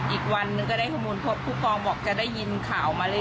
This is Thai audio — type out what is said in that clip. อีกวันนึงก็ได้ข้อมูลพบผู้กองบอกจะได้ยินข่าวมาเรื่อย